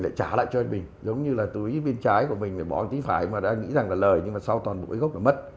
lại trả lại cho mình giống như là túi bên trái của mình để bỏ cái tí phải mà đã nghĩ rằng là lời nhưng mà sau toàn bộ gốc là mất